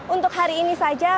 untuk hari ini saja